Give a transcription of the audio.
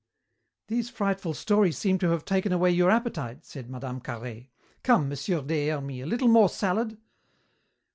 "These frightful stories seem to have taken away your appetite," said Mme. Carhaix. "Come, Monsieur des Hermies, a little more salad?"